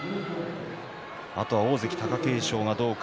あとは大関貴景勝がどうか。